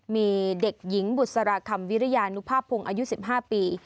มีเด็กหญิงบุษราคำวิริยานุภาพพงศ์อายุ๑๕ปี